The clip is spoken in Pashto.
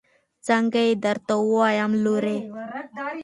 څنګه يې درته ووايم لورې.